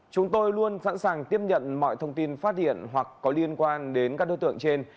chúng tôi luôn sẵn sàng tiếp nhận mọi thông tin phát hiện hoặc có liên quan đến các đối tượng trên